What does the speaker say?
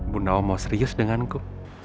bunawang mau serius denganku